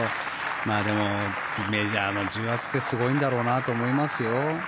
でも、メジャーの重圧ってすごいんだろうなと思いますよ。